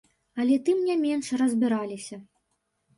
Але тым не менш разбіраліся.